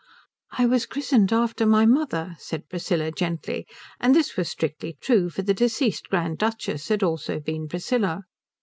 "I was christened after my mother," said Priscilla gently; and this was strictly true, for the deceased Grand Duchess had also been Priscilla.